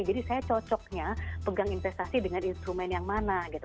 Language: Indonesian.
jadi saya cocoknya pegang investasi dengan instrumen yang mana gitu